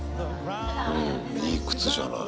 うん、いい靴じゃない。